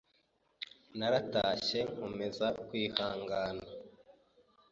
Naratashye nkomeza kwihangana